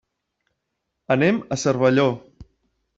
Anem a Cervelló.